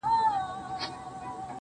o كه زړه يې يوسې و خپل كور ته گراني .